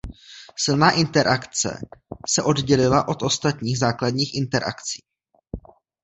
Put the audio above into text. Silná interakce se oddělila od ostatních základních interakcí.